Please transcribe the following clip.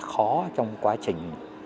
khó trong quá trình